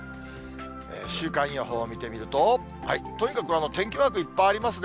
週間予報を見てみると、とにかく天気マークいっぱいありますね。